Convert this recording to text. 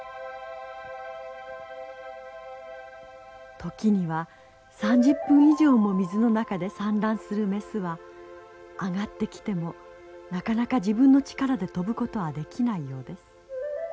時には３０分以上も水の中で産卵するメスは上がってきてもなかなか自分の力で飛ぶことはできないようです。